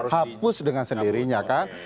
hapus dengan sendirinya kan